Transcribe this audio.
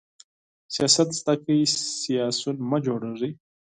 سیاست زده کړئ، سیاسیون مه جوړیږئ!